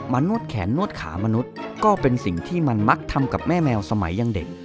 นวดแขนนวดขามนุษย์ก็เป็นสิ่งที่มันมักทำกับแม่แมวสมัยยังเด็ก